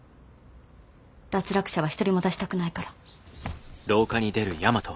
脱落者は一人も出したくないから。